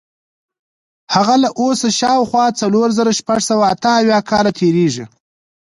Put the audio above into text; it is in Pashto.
هغه له اوسه شاوخوا څلور زره شپږ سوه اته اویا کاله تېرېږي.